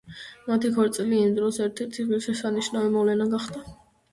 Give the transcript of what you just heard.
მათი ქორწილი იმ დროის ერთ-ერთი ღირსშესანიშნავი მოვლენა გახდა.